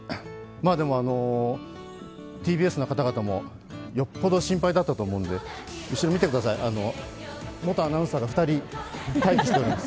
ＴＢＳの方々もよっぽど心配だったと思うので元アナウンサーが２人待機しております。